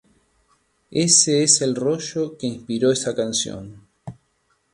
Ese es el rollo que inspiró esa canción".